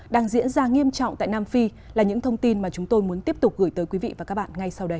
đang diễn ra nghiêm trọng tại nam phi là những thông tin mà chúng tôi muốn tiếp tục gửi tới quý vị và các bạn ngay sau đây